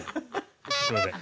すみません